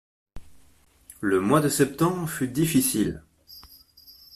Le mois de septembre fut difficile.